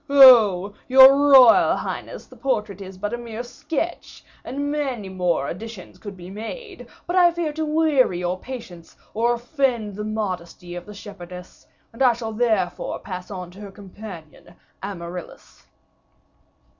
"Oh! your royal highness, the portrait is but a mere sketch, and many more additions could be made, but I fear to weary your patience, or offend the modesty of the shepherdess, and I shall therefore pass on to her companion, Amaryllis."